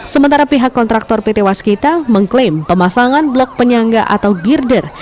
sementara pihak kontraktor pt waskita mengklaim pemasangan blok penyangga atau girder